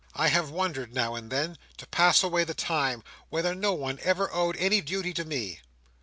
I have wondered now and then—to pass away the time—whether no one ever owed any duty to me."